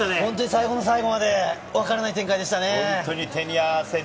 最後の最後までわからない展開だったね。